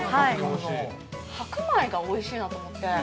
◆白米がおいしいなと思って。